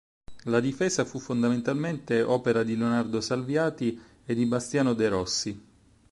La "Difesa" fu fondamentalmente opera di Leonardo Salviati e di Bastiano de' Rossi.